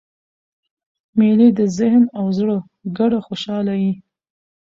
مېلې د ذهن او زړه ګډه خوشحاله يي.